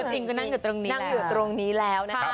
จริงนั่งอยู่ตรงนี้แล้ว